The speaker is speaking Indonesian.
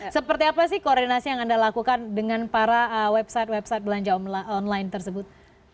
seperti apa sih koordinasi yang anda lakukan dengan para website website belanja online tersebut